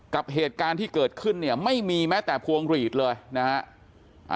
กับเหตุการณ์ที่เกิดขึ้นเนี่ยไม่มีแม้แต่พวงหลีดเลยนะฮะ